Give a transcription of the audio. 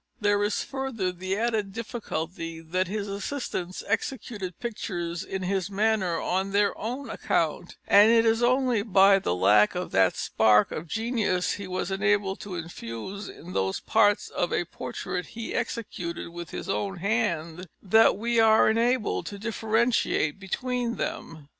There is further the added difficulty that his assistants executed pictures in his manner on their own account, and it is only by the lack of that spark of genius he was enabled to infuse in those parts of a portrait he executed with his own hand that we are enabled to differentiate between them.